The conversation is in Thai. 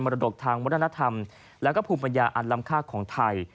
พือน้องทางวัฒนธรรมและผัวมายาอันลำคาของไทย